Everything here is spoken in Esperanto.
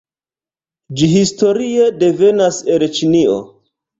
Ĝi historie devenas el Ĉinio.